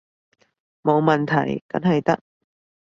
冇問題，梗係得